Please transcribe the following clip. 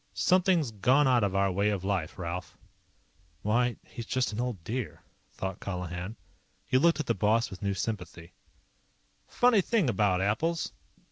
"Something's gone out of our way of life, Ralph." Why, he's just an old dear, thought Colihan. He looked at the boss with new sympathy. "Funny thing about apples.